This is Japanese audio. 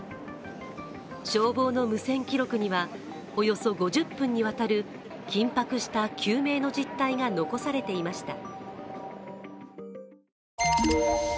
消防の無線記録には、およそ５０分にわたる緊迫した救命の実態が残されていました。